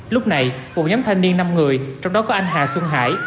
lúc này một nhóm thanh niên năm người trong đó có anh hà xuân hải